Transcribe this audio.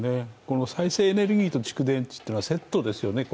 再生エネルギーと蓄電池というのはセットですよね。